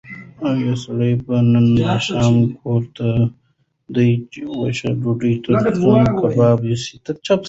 ایا سړی به نن ماښام کور ته د وچې ډوډۍ تر څنګ کباب یوسي؟